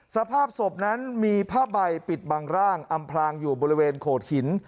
สภาพศพนั้นมีผ้าใบปิดบังร่างอำพลางอยู่บริเวณโขดหิน